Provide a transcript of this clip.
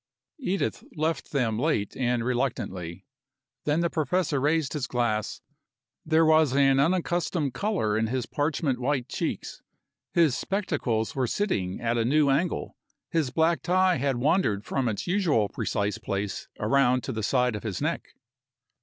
Edith left them late and reluctantly. Then the professor raised his glass. There was an unaccustomed color in his parchment white cheeks. His spectacles were sitting at a new angle, his black tie had wandered from its usual precise place around to the side of his neck.